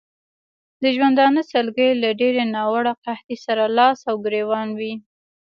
د ژوندانه سلګۍ له ډېرې ناوړه قحطۍ سره لاس او ګرېوان وې.